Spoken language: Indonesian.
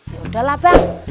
ya udahlah bang